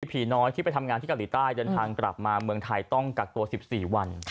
ผีน้อยที่ไปทำงานที่เกาหลีใต้เดินทางกลับมาเมืองไทยต้องกักตัว๑๔วัน